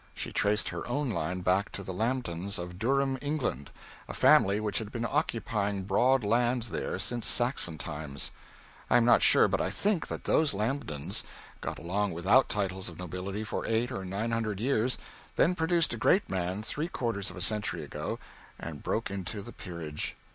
She traced her own line back to the Lambtons of Durham, England a family which had been occupying broad lands there since Saxon times. I am not sure, but I think that those Lambtons got along without titles of nobility for eight or nine hundred years, then produced a great man, three quarters of a century ago, and broke into the peerage.